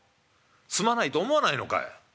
すまないと思わないのかい」。